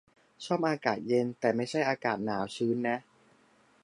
ชอบอากาศเย็น แต่ไม่ใช่อากาศหนาวชื้นอะ